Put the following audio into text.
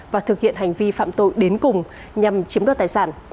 và thực hiện hành vi phạm tội đến cùng nhằm chiếm đoạt tài sản